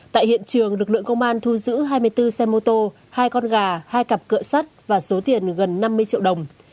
tại hiện trường lực lượng công an thu giữ hai mươi bốn xe mô tô hai con gà hai cặp cỡ sắt và số tiền gần năm mươi triệu đồng